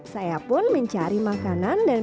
saya pun mencari makanan